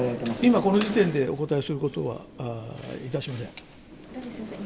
今この時点でお答えすることはいたしません。